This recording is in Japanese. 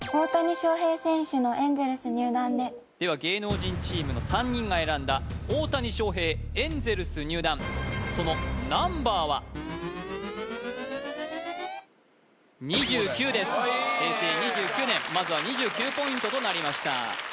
大谷翔平選手のエンゼルス入団ででは芸能人チームの３人が選んだ大谷翔平エンゼルス入団そのナンバーは平成２９年まずは２９ポイントとなりました